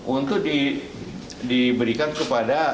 untuk diberikan kepada